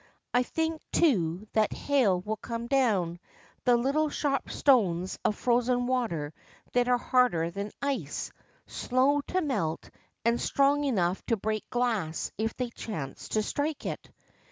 I think, too, that hail will come down, the little sharp stones of frozen water that are harder than ice, slow to melt, and strong enough to break glass if they chance to strike it."